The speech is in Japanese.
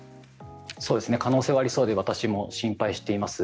可能性はありそうで私も心配しています。